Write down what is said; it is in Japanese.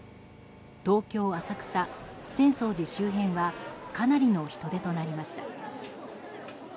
東京・浅草、浅草寺周辺はかなりの人出となりました。